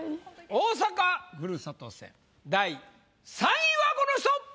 大阪ふるさと戦第３位はこの人！